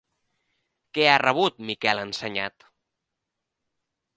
Què ha rebut Miquel Ensenyat?